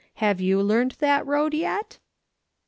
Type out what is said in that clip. Have you learned that road yet ?"